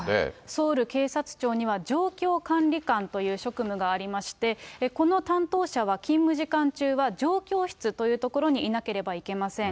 ソウル警察庁には状況管理官という職務がありまして、この担当者は勤務時間中は状況室という所にいなければいけません。